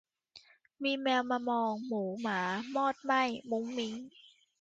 มีแมวมามองหมูหมามอดไหม้มุ้งมิ้ง